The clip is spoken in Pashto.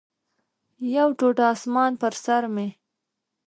یو ټوټه اسمان پر سر مې